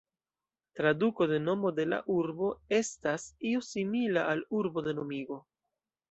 Traduko de nomo de la urbo estas io simila al "urbo de nomigo".